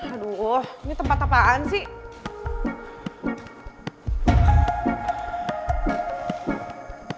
aduh ini tempat apaan sih